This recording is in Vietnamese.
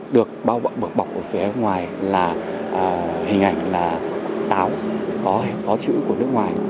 được bọc bọc ở phía ngoài là hình ảnh là táo có chữ của nước ngoài